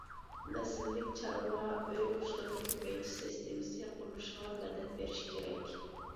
نەسىللىك چارۋا، ئۆي قۇشلىرىنى كۆپەيتىش سىستېمىسى قۇرۇلۇشىغا مەدەت بېرىش كېرەك.